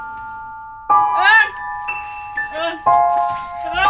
เอ้ย